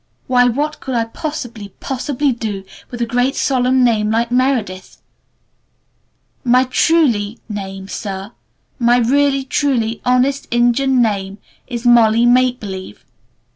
Why what could I possibly, possibly do with a great solemn name like 'Meredith'? My truly name, Sir, my really, truly, honest injun name is 'Molly Make Believe'.